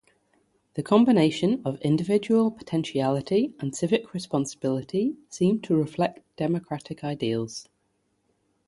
The combination of individual potentiality and civic responsibility seemed to reflect democratic ideals.